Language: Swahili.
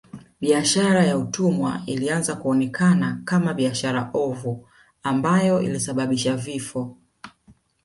Biashara ya watumwa ilianza kuonekana kama biashara ovu ambayo ilisababisha vifo